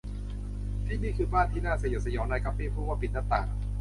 ที่นี่คือบ้านที่น่าสยดสยอง นายกั๊ปปี้พูดว่า ปิดหน้าต่าง